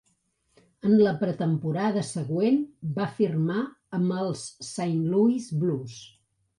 En la pretemporada següent, va firmar amb els Saint Louis Blues.